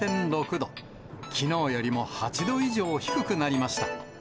きのうよりも８度以上低くなりました。